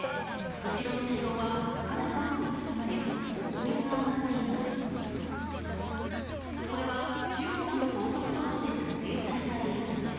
後ろの車両は真っ赤な炎に包まれ、黒煙が上がっています。